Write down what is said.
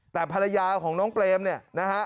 แต่ภรรยาของน้องเปรมเนี่ยนะฮะ